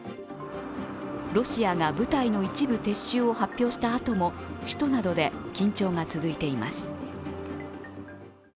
ロシアが部隊の一部撤収を発表したあとも首都などで緊張が続いています。